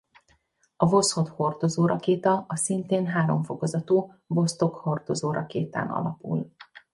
A Voszhod hordozórakéta a szintén háromfokozatú Vosztok hordozórakétán alapul.